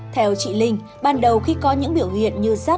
theo chị linh ban đầu khi có những biểu hiện như rác